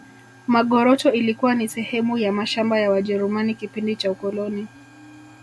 magoroto ilikuwa ni sehemu ya mashamba ya wajerumani kipindi cha ukoloni